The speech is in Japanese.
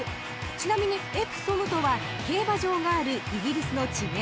［ちなみにエプソムとは競馬場があるイギリスの地名なんです］